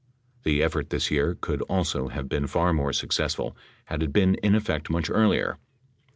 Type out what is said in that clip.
The effort this year could also have been far more successful had it been in effect much earlier.